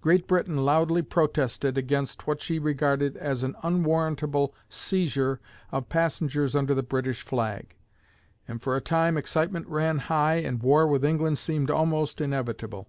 Great Britain loudly protested against what she regarded as an unwarrantable seizure of passengers under the British flag, and for a time excitement ran high and war with England seemed almost inevitable.